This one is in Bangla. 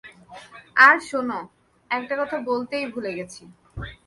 আর শোন, একটা কথা বলতেই ভুলে গেছি।